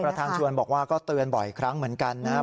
ประธานชวนบอกว่าก็เตือนบ่อยครั้งเหมือนกันนะครับ